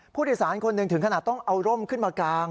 ผู้โดยสารคนหนึ่งถึงขนาดต้องเอาร่มขึ้นมากาง